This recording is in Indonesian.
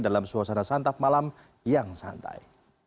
dalam suasana santap malam yang santai